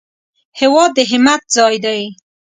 هېواد د همت ځای دی